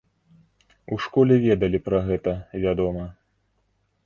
У школе ведалі пра гэта, вядома.